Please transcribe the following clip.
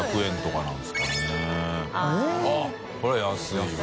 ─舛叩あっこれは安いわ。